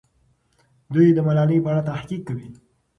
دوی د ملالۍ په اړه تحقیق کوي.